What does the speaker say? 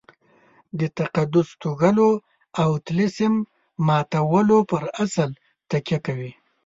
د تقدس توږلو او طلسم ماتولو پر اصل تکیه کوي.